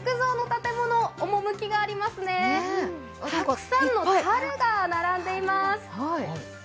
たくさんのたるが並んでいます。